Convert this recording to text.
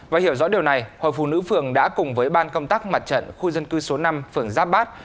và hiểu rõ điều này hội phụ nữ phường đã cùng với ban công tác mặt trận khu dân cư số năm phường giáp bát